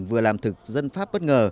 vừa làm thực dân pháp bất ngờ